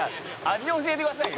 味教えてくださいよ！